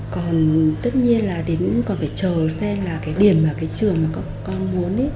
còn tất nhiên là đến còn phải chờ xem là cái điểm mà cái trường mà con muốn